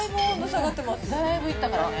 だいぶいったからね。